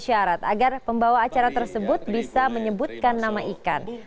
syarat agar pembawa acara tersebut bisa menyebutkan nama ikan